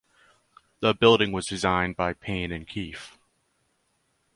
The building was designed by Payne and Keefe.